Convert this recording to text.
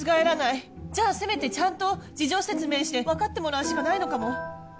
じゃあせめてちゃんと事情説明してわかってもらうしかないのかも。